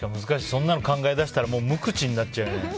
そんなの考えだしたら無口になっちゃうよね。